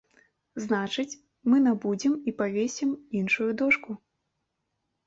Значыць, мы набудзем і павесім іншую дошку.